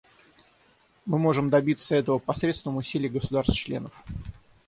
Мы можем добиться этого посредством усилий государств-членов.